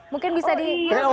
mungkin bisa di